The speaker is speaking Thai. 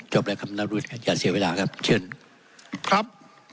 จบแล้วครับนารุชอย่าเสียเวลาครับเชิญครับ